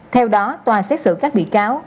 theo đó tòa xét xử các bị cáo